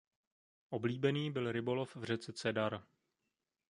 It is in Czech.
Oblíbený byl rybolov v řece Cedar.